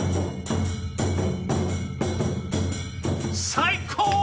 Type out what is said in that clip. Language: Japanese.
最高！